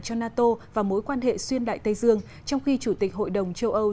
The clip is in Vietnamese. cho nato và mối quan hệ xuyên đại tây dương trong khi chủ tịch hội đồng châu âu